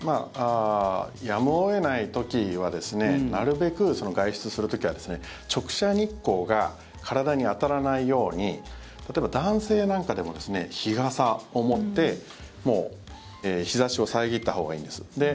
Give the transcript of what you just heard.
やむを得ない時はなるべく外出する時は直射日光が体に当たらないように例えば男性なんかでも日傘を持って日差しを遮ったほうがいいんです。